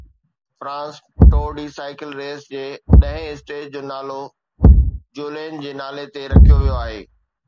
France tour de cycle race جي ڏهين stage جو نالو جولين جي نالي تي رکيو ويو آهي